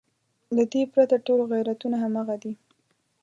له دې پرته ټول غیرتونه همغه دي.